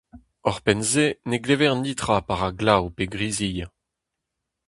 Ouzhpenn se ne glever netra pa ra glav pe grizilh.